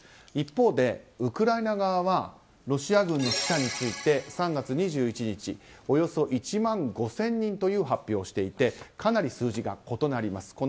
一方でウクライナ側はロシア軍の死者について３月２１日およそ１万５０００人という発表をしていてかなり数字が異なります。